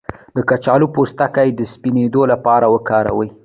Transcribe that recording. د کچالو پوستکی د سپینیدو لپاره وکاروئ